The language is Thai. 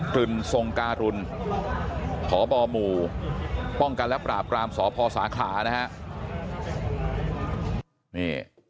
กึลสงกาฏุหอบอหมู่ป้องกันและปราบกรามสพสาขานะฮะ